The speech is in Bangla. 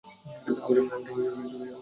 আমার স্বাস্থ্য খুব খারাপ যাচ্ছে।